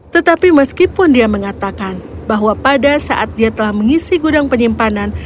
tetapi meskipun dia mengatakan bahwa pada saat dia telah mengisi gudang penyimpanan